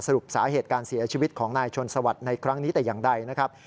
รุปสาเหตุการเสียชีวิตของนายชนสวัสดิ์ในครั้งนี้แต่อย่างใดนะครับ